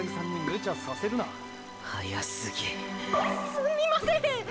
すみません。